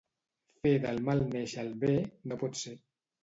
Fer del mal néixer el bé, no pot ser.